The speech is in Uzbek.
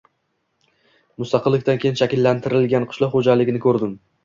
mustaqillikdan keyin shakllantirilgan qishloq xo‘jaligini ko‘rdim